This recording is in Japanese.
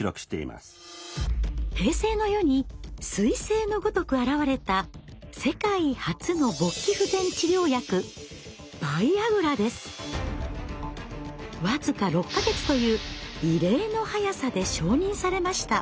平成の世に彗星のごとく現れた世界初の勃起不全治療薬僅か６か月という異例の早さで承認されました。